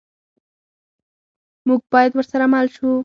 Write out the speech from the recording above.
موږ باید ورسره مل شو.